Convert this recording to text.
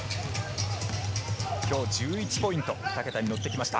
今日１１ポイント、２桁に乗ってきました。